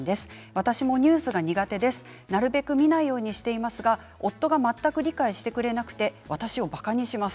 私もニュースが苦手ですがなるべく見ないようにしていますが夫が全く理解してくれず私をばかにします。